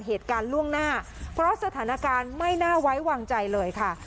เหตุการณ์ล่วงหน้าเพราะสถานการณ์ไม่น่าไว้วางใจเลยค่ะ